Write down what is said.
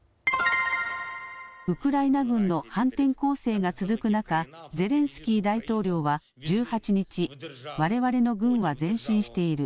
ウクライナ軍の反転攻勢が続く中、ゼレンスキー大統領は１８日、われわれの軍は前進している。